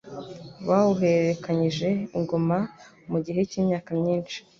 bawuhererekanyije ingoma mu gihe cy'imyaka myishi